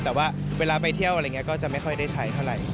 แต่ว่าเวลาไปเที่ยวก็จะไม่ค่อยได้ใช้เท่าไร